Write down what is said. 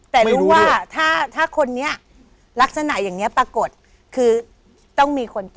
แต่รู้ว่าถ้าคนนี้ลักษณะอย่างนี้ปรากฏคือต้องมีคนตาย